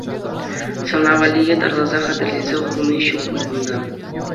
Сана валли ятарласа хатӗрлесе хуни ҫук пуль кунта?